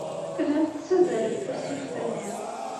Tellamt tessazzalemt tasfift-nni.